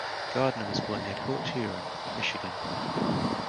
Gardner was born near Port Huron, Michigan.